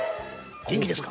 「元気ですか！」